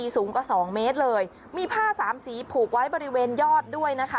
สูงกว่าสองเมตรเลยมีผ้าสามสีผูกไว้บริเวณยอดด้วยนะคะ